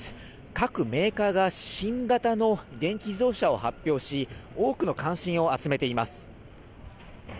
各メーカーが新型の電気自動車を発表し、多くの関心を集めています。